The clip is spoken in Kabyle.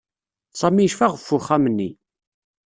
Sami yecfa ɣef uxxam-nni.